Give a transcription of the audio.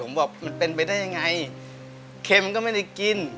ผมบอกมันเป็นไปได้ยังไงเค็มก็ไม่ได้กิน